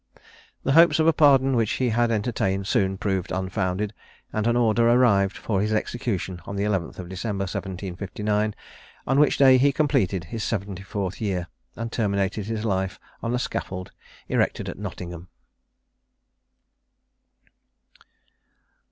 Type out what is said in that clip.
The hopes of a pardon which he had entertained soon proved unfounded; and an order arrived for his execution on the 11th December 1759, on which day he completed his 74th year, and terminated his life on a scaffold erected at Nottingham.